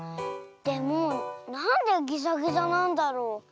でもなんでぎざぎざなんだろう？